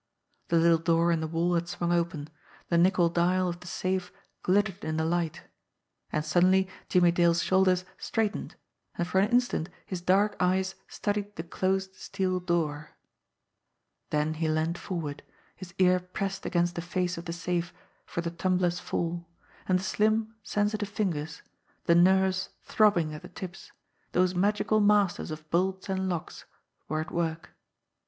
The little door in the wall had swung open, the nickel dial of the safe glittered in the light and suddenly Jimmie Dale's shoulders straightened, and for an instant his dark eyes studied the closed steel door. Then he leaned forward, his ear pressed against the face of the safe for the tumblers' fall, and the slim, sensitive fingers, the nerves throbbing at the tips, those magical masters of bolts and locks, were at work.